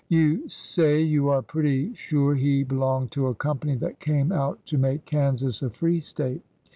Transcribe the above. You say you are pretty sure he belonged to a company that came out to make Kansas a free State.